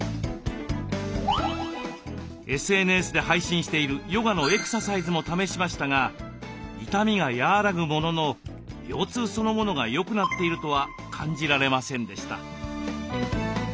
ＳＮＳで配信しているヨガのエクササイズも試しましたが痛みが和らぐものの腰痛そのものが良くなっているとは感じられませんでした。